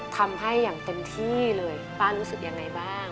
ทำให้อย่างเต็มที่เลยป้ารู้สึกยังไงบ้าง